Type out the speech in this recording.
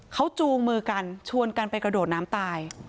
เขาจูงมือกันชวนกันไปกระโดดน้ำตาย